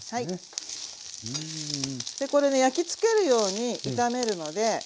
これね焼きつけるように炒めるので。